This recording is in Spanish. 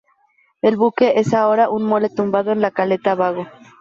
El buque es ahora una mole tumbado en la caleta Vago.